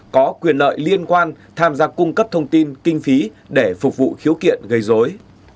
có quyền lợi liên quan tham gia cung cấp thông tin kinh phí để phục vụ khiếu kiện gây dối